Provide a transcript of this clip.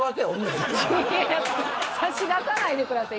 いや差し出さないでください。